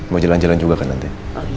mau jalan jalan juga kan nanti